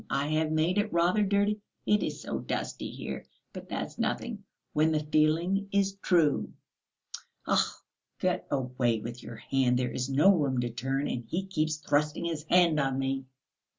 I have made it rather dirty, it is so dusty here; but that's nothing, when the feeling is true." "Ugh, get away with your hand! There is no room to turn, and he keeps thrusting his hand on me!"